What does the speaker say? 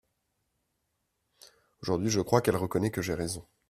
Aujourd’hui, je crois qu’elle reconnaît que j’ai raison.